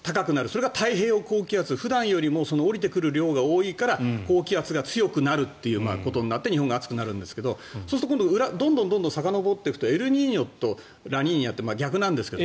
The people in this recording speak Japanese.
それが太平洋高気圧普段よりも下りてくる量が多いから高気圧が強くなるということになって日本が暑くなるんですがそうするとどんどんさかのぼっていくとエルニーニョとラニーニャって逆なんですが。